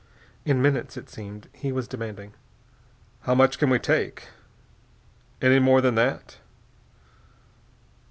In minutes, it seemed, he was demanding: "How much can we take? Any more than that?"